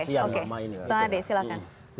kasian lama ini bang ade silakan